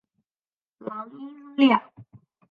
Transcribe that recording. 阆音两。